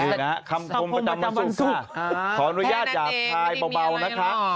สังคมประจำวันสุขค่ะขออนุญาตจากทายเบานะคะ